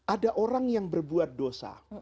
ada orang yang berbuat dosa